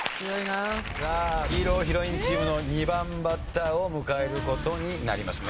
さあヒーローヒロインチームの２番バッターを迎える事になりますね。